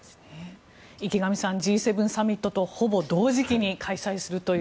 池上さん、Ｇ７サミットとほぼ同時期に開催するという。